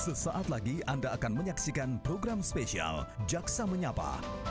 sesaat lagi anda akan menyaksikan program spesial jaksa menyapa